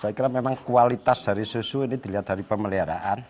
saya kira memang kualitas dari susu ini dilihat dari pemeliharaan